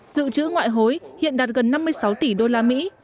dự trữ ngoại hối hiện đạt gần năm mươi sáu tỷ đô la mỹ